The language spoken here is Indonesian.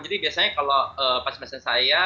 jadi biasanya kalau pas mesin saya